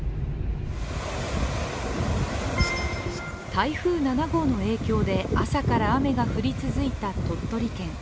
台風７号の影響で朝から雨が降り続いた鳥取県。